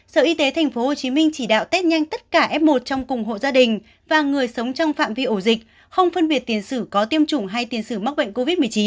sở y tế tp hcm chỉ đạo test nhanh tất cả f một trong cùng hộ gia đình và người sống trong phạm vi ổ dịch không phân biệt tiền sử có tiêm chủng hay tiền xử mắc bệnh covid một mươi chín